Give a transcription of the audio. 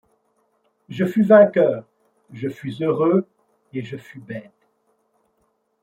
Je fus vainqueur, je fus heureux, et je fus bête ;